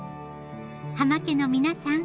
濱家の皆さん